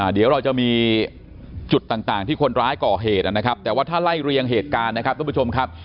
เดี๋ยวเราจะมีจุดต่างที่คนร้ายก่อเหตุนะครับแต่ว่าถ้าไล่เรียงเหตุการณ์นะครับทุกผู้ชมครับ